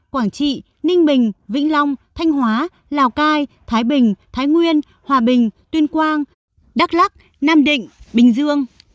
quảng trị ninh bình vĩnh long thanh hóa lào cai thái bình thái nguyên hòa bình tuyên quang đắk lắc nam định bình dương